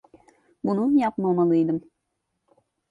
Bunu yapmamalıydı.